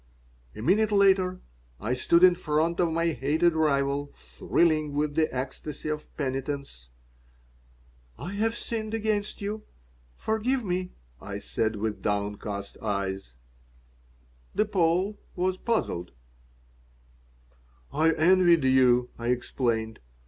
A minute later I stood in front of my hated rival, thrilling with the ecstasy of penitence. "I have sinned against you. Forgive me," I said, with downcast eyes The Pole was puzzled "I envied you," I explained.